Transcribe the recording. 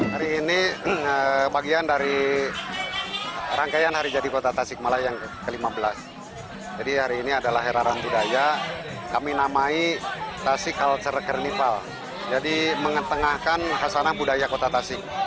hari ini bagian dari rangkaian hari jadi kota tasikmalaya yang ke lima belas jadi hari ini adalah hera rantudaya kami namai tasik culture carnival jadi mengetengahkan khasanah budaya kota tasik